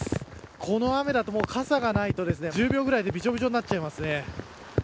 この雨だと、傘がないと１０秒ぐらいでびしょびしょになっちゃいますね。